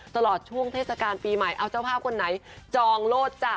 ตลอดช่วงเทศกาลปีใหม่เอาเจ้าภาพคนไหนจองโลศจ้ะ